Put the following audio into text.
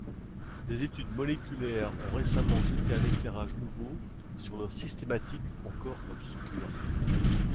Des études moléculaires ont récemment jeté un éclairage nouveau sur leur systématique encore obscure.